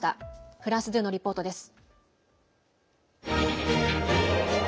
フランス２のリポートです。